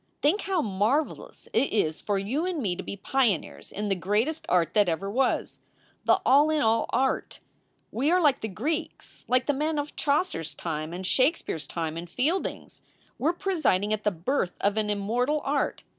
Think how marvelous it is for you and me to be pioneers in the greatest art that ever was, the all in all art. We are like the Greeks, like the men of Chaucer s time, and Shake speare s time, and Fielding s. We re presiding at the birth of an immortal art.